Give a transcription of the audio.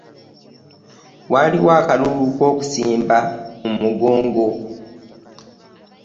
Waliwo akalulu k'okusimba mu mugoongo.